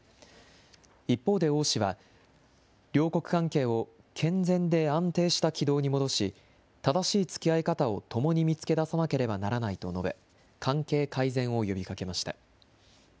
一方で王氏は、両国関係を、健全で安定した軌道に戻し、正しいつきあい方を共に見つけださなければならないと述べ、関係改善を呼びかけました。